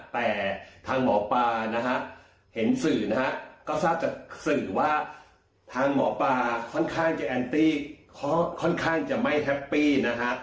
แต่ทางหมอปลานะฮะเห็นสื่อนะฮะก็ทราบจากสื่อว่าทางหมอปลาค่อนข้างจะแอนตี้ค่อนข้างจะไม่แฮปปี้นะฮะ